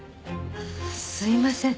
すみません。